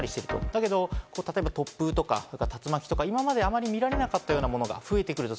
だけど突風とか竜巻とか、あんまり今まで見られなかったようなものが増えてくると。